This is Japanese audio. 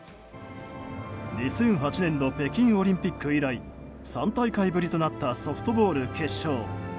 ２００８年の北京オリンピック以来３大会ぶりとなったソフトボール決勝。